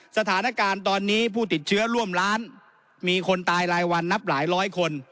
สถานการณ์ตอนนี้ผู้ติดเชื้อร่วมล้านมีคนตายรายวันนับหลายร้อยคน